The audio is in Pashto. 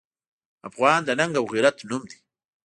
افغان د ننګ او غیرت نوم دی.